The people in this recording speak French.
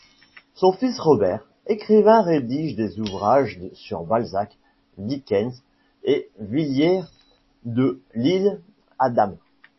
Son fils Robert, écrivain, rédige des ouvrages sur Balzac, Dickens et Villiers de l'Isle-Adam.